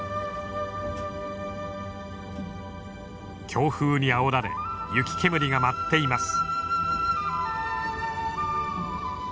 強風にあおられ雪煙が舞っています。